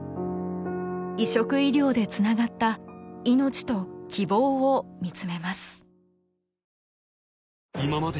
移植医療でつながった命と希望を見つめます。